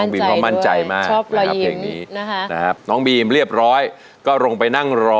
พี่ปรัมเผาจึงท่าเจียนบ้า